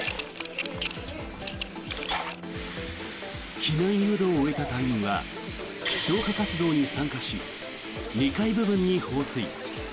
避難誘導を終えた隊員は消火活動に参加し２階部分に放水。